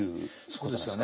そうですよね。